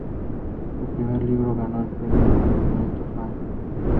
Su primer libro ganó el Premio Talento Fnac.